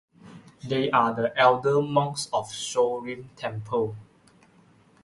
They are the elder monks of Sho-Rhim Temple.